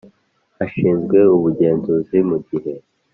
ashinzwe ubugenzuzi mu gihe